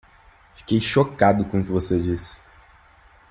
Fiquei chocado com o que você disse